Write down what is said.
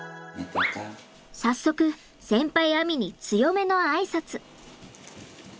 早速先輩あみに強めの挨拶。